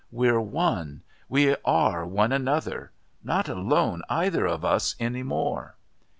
We're one. We are one another not alone, either of us any more...."